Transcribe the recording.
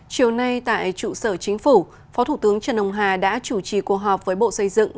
chiều nay tại trụ sở chính phủ phó thủ tướng trần ông hà đã chủ trì cuộc họp với bộ xây dựng